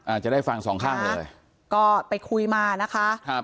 อาจจะได้ฟังสองข้างเลยก็ไปคุยมานะคะครับ